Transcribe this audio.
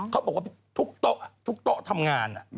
เค้าบอกว่าทุกตะทุกตะทำงาน